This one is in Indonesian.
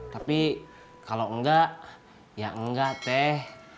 tapi kalau enggak ya enggak teh